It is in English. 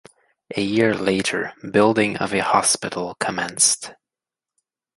A year later building of a hospital commenced.